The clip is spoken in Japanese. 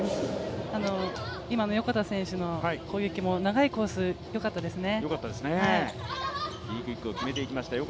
今の横田選手の攻撃も、長いコースよかったですね。